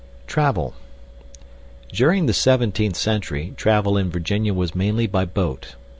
] Travel During the 17th century, travel in Virginia was mainly by boat.